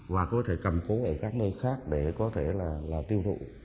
và có thể cầm cố ở các nơi khác để có thể là tiêu thụ